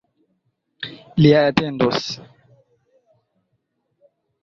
Li atendos.